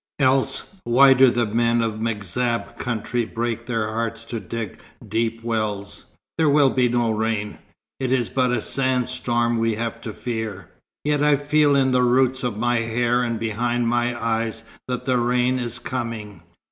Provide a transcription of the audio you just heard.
Else, why do the men of the M'Zab country break their hearts to dig deep wells? There will be no rain. It is but a sand storm we have to fear." "Yet I feel in the roots of my hair and behind my eyes that the rain is coming."